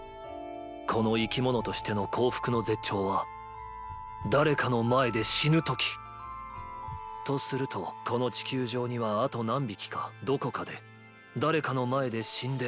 この生き物としての幸福の絶頂は誰かの前で「死ぬ時」！とするとこの地球上にはあと何匹かどこかで誰かの前で「死んで」